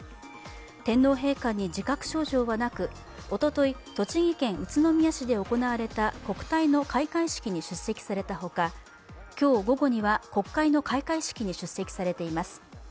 天皇陛下に自覚症状はなく、おととい、栃木県宇都宮市で行われた国体の開会式に出席されたほか今日午後には国会の開会式に出席されています。